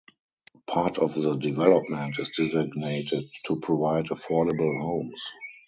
Part of the development is designated to provide affordable homes.